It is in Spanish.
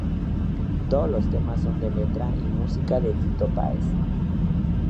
Todos los temas son de letra y música de Fito Páez.